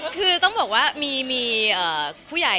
คือต้องบอกว่ามีผู้ใหญ่